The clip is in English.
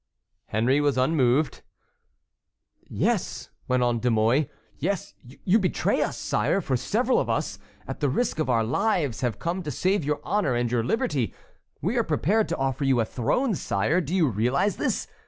Henry was unmoved. "Yes," went on De Mouy, "yes, you betray us, sire, for several of us, at the risk of our lives, have come to save your honor and your liberty; we are prepared to offer you a throne, sire; do you realize this?